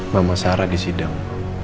mama sarah di sidang